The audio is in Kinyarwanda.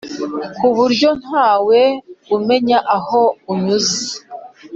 ku buryo nta we umenya aho unyuze.